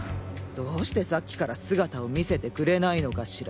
どうしてさっきから姿を見せてくれないのかしら。